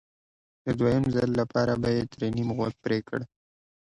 د دویم ځل لپاره به یې ترې نیم غوږ پرې کړ